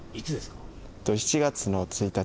７月の１日。